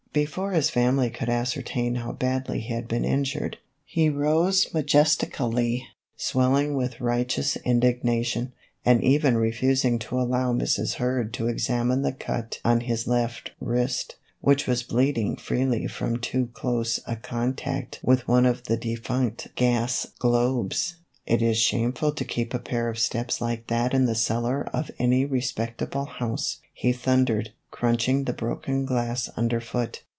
IOI Before his family could ascertain how badly he had been injured, he rose majestically, swelling with righteous indignation, and even refusing to allow Mrs. Kurd to examine the cut on his left wrist, which was bleeding freely from too close a contact with one of the defunct gas globes. " It is shameful to keep a pair of steps like that in the cellar of any respectable house," he thun dered, crunching the broken glass under foot.